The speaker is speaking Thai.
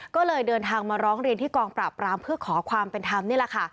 ก็เลยเดินทางมาร้องเรียนที่กองปราบรามเพื่อขอความเป็นธรรมนี่แหละค่ะ